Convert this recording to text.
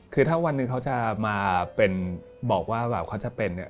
คือถ้าวันนี้เขาจะมาบอกว่าแบบเขาจะเป็น